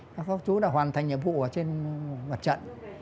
các chú đã hoàn thành nhiệm vụ ở trên mặt trận